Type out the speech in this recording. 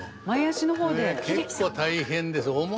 結構大変です。